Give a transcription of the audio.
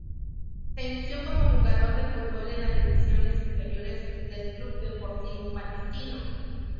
Se inició como jugador de fútbol en las divisiones inferiores del Club Deportivo Palestino.